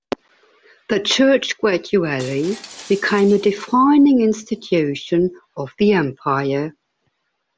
The Church gradually became a defining institution of the Empire.